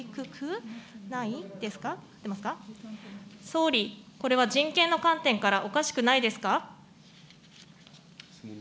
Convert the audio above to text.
総理、これは人権の観点から、おかしくないですか。